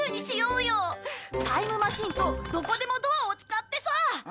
タイムマシンとどこでもドアを使ってさ。